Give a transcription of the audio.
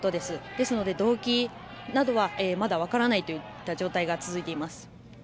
ですので動機などはまだわからないといった状態が続いています。